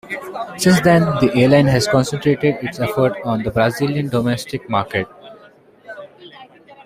Since then the airline has concentrated its efforts on the Brazilian domestic market.